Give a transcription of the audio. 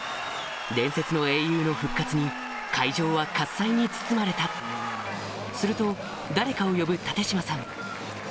伝説の英雄の復活に会場は喝采に包まれたすると誰かを呼ぶ立嶋さん